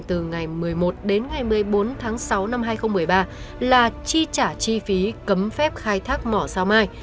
từ ngày một mươi một đến ngày một mươi bốn tháng sáu năm hai nghìn một mươi ba là chi trả chi phí cấm phép khai thác mỏ sao mai